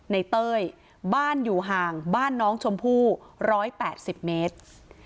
เต้ยบ้านอยู่ห่างบ้านน้องชมพู่๑๘๐เมตร